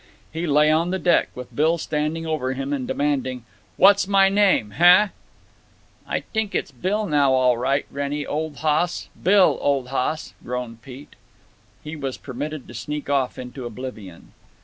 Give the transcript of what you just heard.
He lay on the deck, with Bill standing over him and demanding, "What's my name, heh?" "I t'ink it's Bill now, all right, Wrennie, old hoss—Bill, old hoss," groaned Pete. He was permitted to sneak off into oblivion.